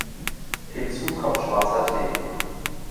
Hinzu kommt schwarzer Tee.